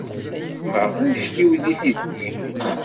Gma anect-iw deg tiddi.